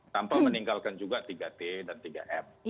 tanpa meninggalkan juga tiga t dan tiga m